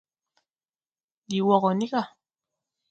Ndi wɔ gɔ ni ga.